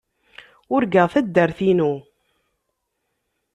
Urgaɣ taddart-inu.